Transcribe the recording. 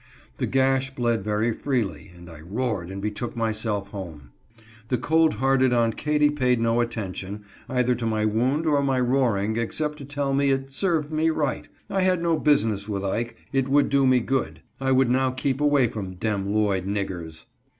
The gash bled very freely, and I roared and betook myself home. The cold hearted Aunt Katy paid no at tention either to my wound or my roaring except to tell me it " served me right ; I had no business with Ike ; it would do me good ; I would now keep away from ' dem Lloyd niggers.'